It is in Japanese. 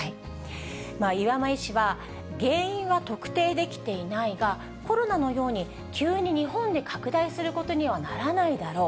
岩間医師は、原因は特定できていないが、コロナのように急に日本で拡大することにはならないだろう。